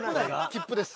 切符です。